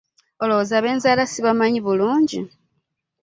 Olowooza be nzaala sibamanyi bulungi?